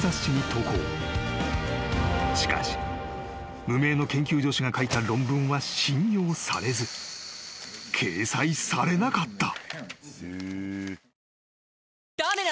［しかし無名の研究助手が書いた論文は信用されず掲載されなかった］